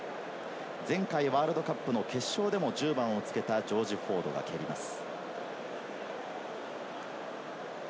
前回ワールドカップの決勝でも１０番をつけたジョージ・フォードが蹴ります。